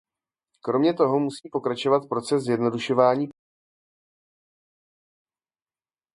Kromě toho musí pokračovat proces zjednodušování postupů.